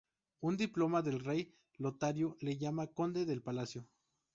Un diploma del rey Lotario le llama "conde del palacio".